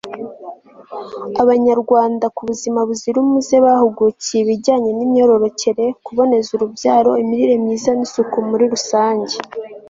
abanyarwanda ku buzima buzira umuze, bahugukiye ibijyanye n'imyororokere, kuboneza urubyaro, imirire myiza n'isuku muri rusange